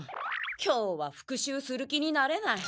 今日は復習する気になれない。